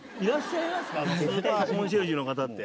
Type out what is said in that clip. スーパーコンシェルジュの方って。